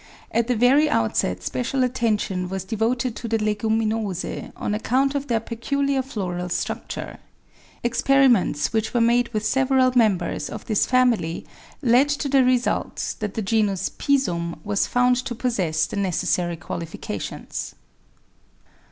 At the very outset special attention was devoted to the Legu minosae on account of their peculiar floral structure. Experiments which were made with several members of this family led to the result that the genus Pisum was found to possess the necessaiy qualifications.